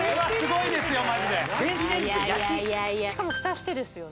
いやいやしかも蓋してですよね